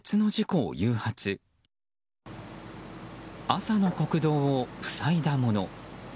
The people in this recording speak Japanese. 朝の国道を塞いだもの。